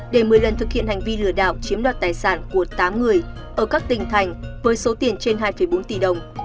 để một mươi lần thực hiện hành vi lừa đảo chiếm đoạt tài sản của tám người ở các tỉnh thành với số tiền trên hai bốn tỷ đồng